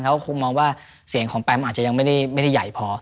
เขาคงมองว่าเสียงของแปมอาจจะยังไม่ได้ใหญ่พอ